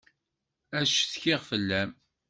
Ad ccetkiɣ fell-am.